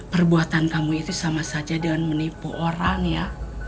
perbuatan kamu itu sama saja dengan menipu orang ya